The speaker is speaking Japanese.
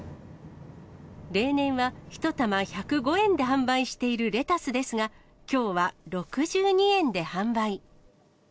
例年は１玉１０５円で販売しているレタスですが、きょうは６２円で販売。